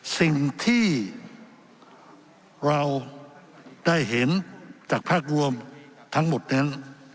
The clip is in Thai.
สิ่งที่เราได้เห็นจากภาพรวมทั้งหมดนั้น